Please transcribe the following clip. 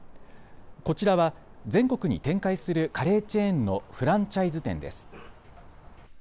こちらはは全国に展開するカレーチェーンのフランチャイズ店です。